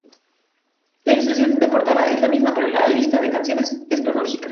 La ilustración de portada es la misma, pero la lista de canciones es cronológica.